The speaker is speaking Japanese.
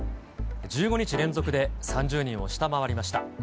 １５日連続で３０人を下回りました。